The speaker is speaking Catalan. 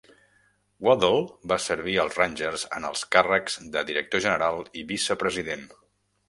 Waddell va servir als Rangers en els càrrecs de director general i vicepresident.